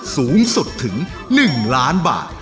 สูงสุดถึง๑ล้านบาท